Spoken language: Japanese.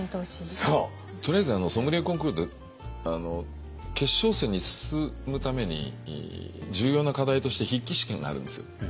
とりあえずソムリエコンクールで決勝戦に進むために重要な課題として筆記試験があるんです。